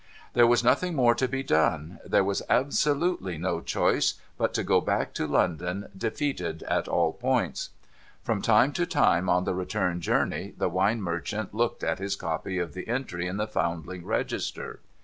There was nothing more to be done ; there w'as absolutely no choice but to go back to London, defeated at all points. From time to time on the return journey, the wine merchant looked at his copy of the entry in the Foundling Register.